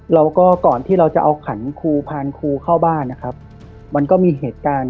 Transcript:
แล้วก็ก่อนที่เราจะเอาขันครูพานครูเข้าบ้านนะครับมันก็มีเหตุการณ์